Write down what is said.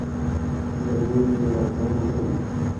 گرمیاں دیاں راتاں ہوّن۔